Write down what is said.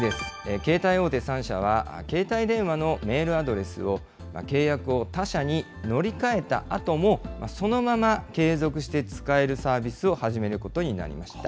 携帯大手３社は、携帯電話のメールアドレスを、契約を他社に乗り換えたあとも、そのまま継続して使えるサービスを始めることになりました。